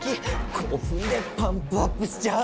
こうふんでパンプアップしちゃう！